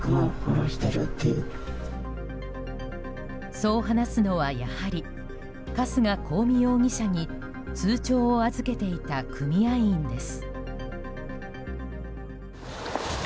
そう話すのはやはり春日公美容疑者に通帳を預けていた組合員です。